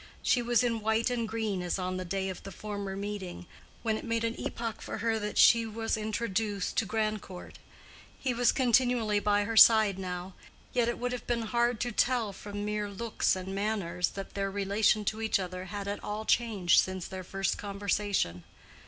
She was in white and green as on the day of the former meeting, when it made an epoch for her that she was introduced to Grandcourt; he was continually by her side now, yet it would have been hard to tell from mere looks and manners that their relation to each other had at all changed since their first conversation.